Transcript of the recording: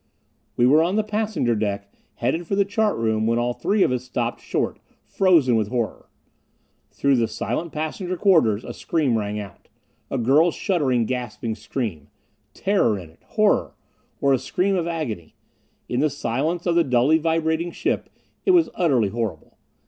We were on the passenger deck headed for the chart room when all three of us stopped short, frozen with horror. Through the silent passenger quarters a scream rang out! A girl's shuddering, gasping scream. Terror in it. Horror. Or a scream of agony. In the silence of the dully vibrating ship it was utterly horrible.